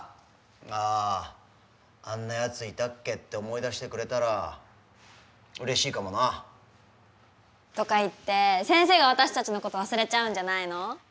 「あああんなやついたっけ」って思い出してくれたらうれしいかもな。とか言って先生が私たちのこと忘れちゃうんじゃないの？